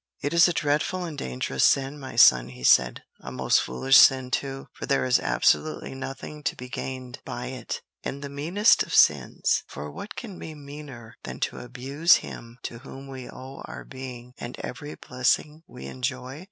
"It is a dreadful and dangerous sin, my son," he said; "a most foolish sin, too, for there is absolutely nothing to be gained by it; and the meanest of sins, for what can be meaner than to abuse Him to whom we owe our being and every blessing we enjoy?"